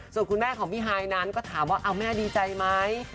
ส่วนคุณแม่ของพี่ฮายนั้นก็ถามว่าแม่ดีใจไหม